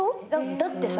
だってさ